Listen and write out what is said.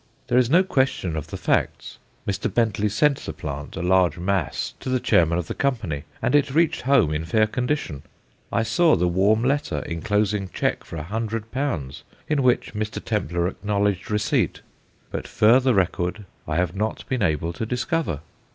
There is no question of the facts. Mr. Bentley sent the plant, a large mass to the chairman of the Company, and it reached home in fair condition. I saw the warm letter, enclosing cheque for 100l., in which Mr. Templar acknowledged receipt. But further record I have not been able to discover.